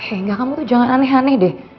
eh enggak kamu tuh jangan aneh aneh deh